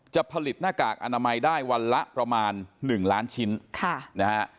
จะผลิตหน้ากากอนามัยได้วันละประมาณ๑ล้านชิ้นค่ะนะฮะ